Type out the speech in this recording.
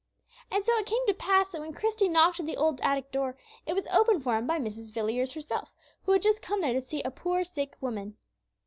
And so it came to pass that when Christie knocked at the old attic door, it was opened for him by Mrs. Villiers herself, who had just come there to see a poor sick woman.